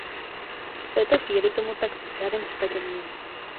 V této chvíli tomu tak v žádném případě není.